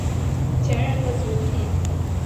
前人的足迹